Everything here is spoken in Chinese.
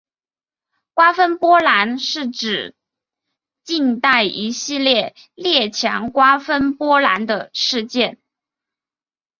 瓜分波兰是指近代一系列列强瓜分波兰的事件。